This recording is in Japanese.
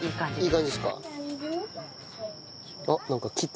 いい感じですか？